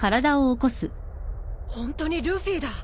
ホントにルフィだ。